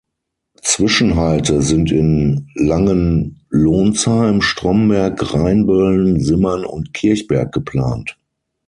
Zwischenhalte sind in Langenlonsheim, Stromberg, Rheinböllen, Simmern und Kirchberg geplant.